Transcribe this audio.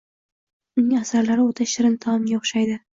Uning asarlari oʻta shirin taomga oʻxshaydi.